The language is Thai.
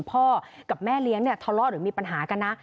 พ่อกับแม่เลี้ยงเนี่ยทะเลาะหรือมีปัญหากันนะ